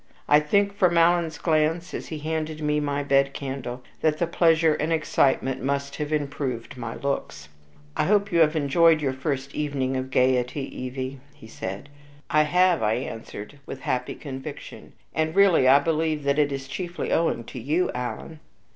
I think, from Alan's glance as he handed me my bed candle, that the pleasure and excitement must have improved my looks. "I hope you have enjoyed your first evening of gayety, Evie," he said. "I have," I answered, with happy conviction; "and really I believe that it is chiefly owing to you, Alan."